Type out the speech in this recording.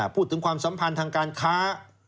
พูดถึงความสัมพันธ์ทางการค้า